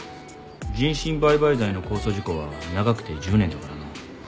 人身売買罪の公訴時効は長くて１０年だからな。